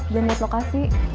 belum liat lokasi